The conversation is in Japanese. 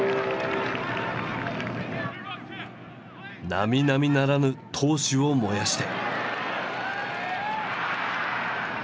なみなみならぬ闘志を燃やして。